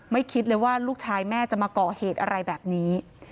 คิดเลยว่าลูกชายแม่จะมาก่อเหตุอะไรแบบนี้